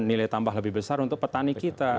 nilai tambah lebih besar untuk petani kita